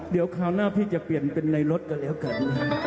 เดี๋ยวคราวหน้าพี่จะเปลี่ยนเป็นในรถกันแล้วกัน